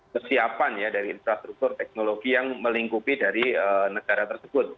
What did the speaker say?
kesiapan ya dari infrastruktur teknologi yang melingkupi dari negara tersebut